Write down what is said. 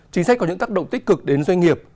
chính sách có những tác động tích cực đến doanh nghiệp